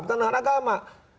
bertentangan dengan agama